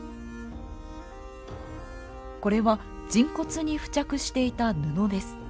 これは人骨に付着していた布です。